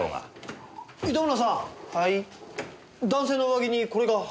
男性の上着にこれが。